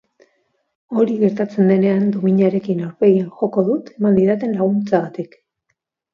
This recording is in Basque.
Hori gertatzen denean dominarekin aurpegian joko dut eman didan laguntzagatik.